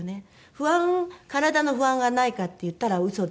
不安体の不安がないかって言ったら嘘ですけれど。